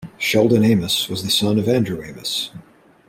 Sheldon Amos was the son of Andrew Amos.